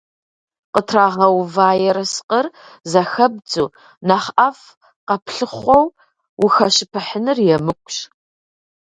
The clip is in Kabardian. Къытрагъэува ерыскъыр зэхэбдзу, нэхъ ӏэфӏ къэплъыхъуэу ухэщыпыхьыныр емыкӏущ.